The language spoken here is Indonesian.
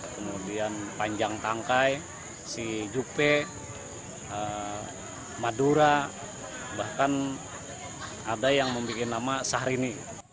kemudian panjang tangkai si jupe madura bahkan ada yang membuat nama sahrini